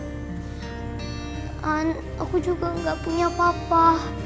dan aku juga gak punya papa